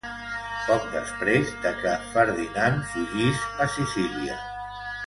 Poc després de que Ferdinand fugís a Sicília.